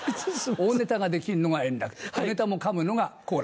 大ネタができるのが円楽小ネタもかむのが好楽。